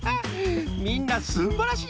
みんなすんばらしい